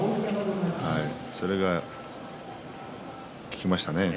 それが効きましたね。